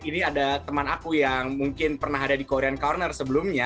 ini ada teman aku yang mungkin pernah ada di korean corner sebelumnya